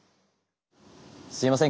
すいません